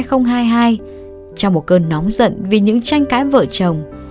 một mươi một tháng một năm hai nghìn hai mươi hai trong một cơn nóng giận vì những tranh cãi vợ chồng